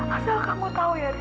asal kamu tahu ya